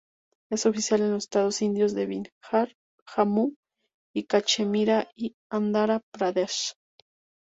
Es oficial en los estados indios de Bihar Jammu y Cachemira y Andhra Pradesh.